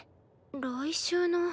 来週の？